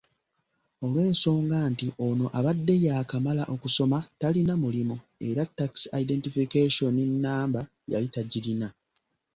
Olw'ensonga nti ono abadde yaakamala okusoma talina mulimu era Tax Identification Namba yali tagirina.